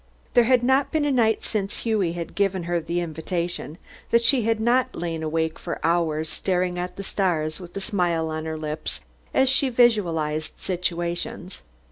There had not been a night since Hughie had given her the invitation that she had not lain awake for hours staring at the stars with a smile on her lips as she visualized situations.